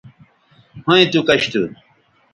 ھویں تو کش تھو